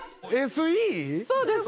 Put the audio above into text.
そうです。